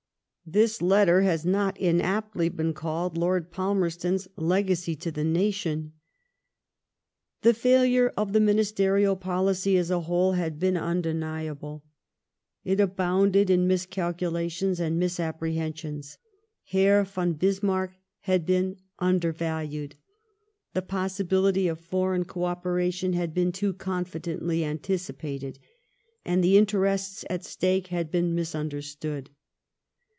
This letter has not inaptly been called Lord Palmer Eton's legacy to the nation. The failure of the ministerial policy as a whole had ))een undeniable. It abounded in miscalculations and misapprehensions. Herr von Bismarck had been under valued, the possibility of foreign co operation had been too confidently anticipated, and the interests at stake had been misunderstood.